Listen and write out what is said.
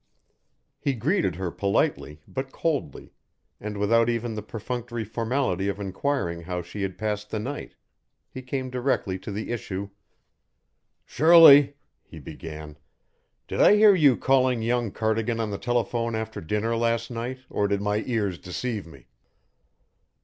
He greeted her politely but coldly, and without even the perfunctory formality of inquiring how she had passed the night, he came directly to the issue, "Shirley," he began, "did I hear you calling young Cardigan on the telephone after dinner last night or did my ears deceive me?"